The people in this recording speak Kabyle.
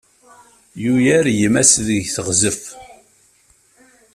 Yugar gma-s deg teɣzef.